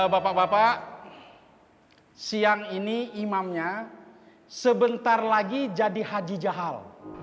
bapak bapak siang ini imamnya sebentar lagi jadi haji jaal